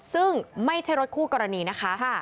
ซึ่งไม่ใช่รถคู่กรณีนะคะ